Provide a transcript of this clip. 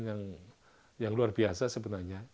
yang luar biasa sebenarnya